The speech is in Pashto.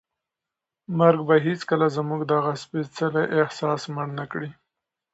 مرګ به هیڅکله زموږ دغه سپېڅلی احساس مړ نه کړي.